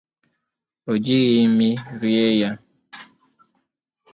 o jighị imi rie ya